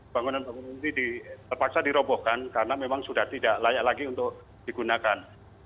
bangunan bangunan ini terpaksa dirobohkan karena memang sudah tidak layak lagi untuk digunakan